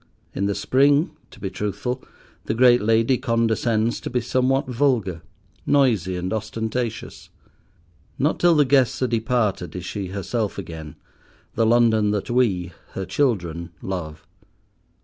In the spring, to be truthful, the great lady condescends to be somewhat vulgar—noisy and ostentatious. Not till the guests are departed is she herself again, the London that we, her children, love.